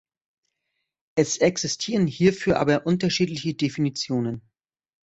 Es existieren hierfür aber unterschiedliche Definitionen.